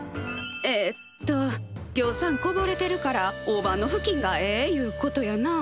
えっとぎょうさんこぼれてるから大判のふきんがええゆうことやな。